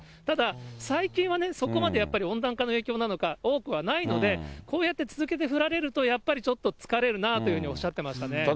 ただ最近はね、そこまでやっぱり温暖化の影響なのか、多くはないので、こうやって続けて降られると、やっぱりちょっと疲れるなというふうにおっしゃってましたね。